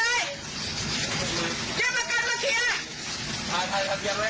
เรียกประกันมาเครียร์เลย